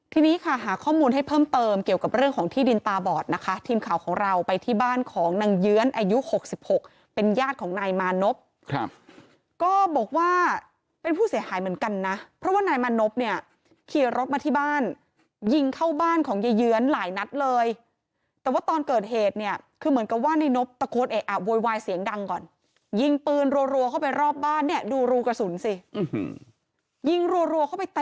ที่นี้ค่ะหาข้อมูลให้เพิ่มเติมเกี่ยวกับเรื่องของที่ดินตาบอดนะคะทีมข่าวของเราไปที่บ้านของนางเยื้อนอายุหกสิบหกเป็นญาติของนายมานบครับก็บอกว่าเป็นผู้เสียหายเหมือนกันนะเพราะว่านายมานบเนี่ยเคลียร์รถมาที่บ้านยิงเข้าบ้านของเยื้อนหลายนัดเลยแต่ว่าตอนเกิดเหตุเนี่ยคือเหมือนกับว่านายนบตะโค้ดอ่ะอ่ะ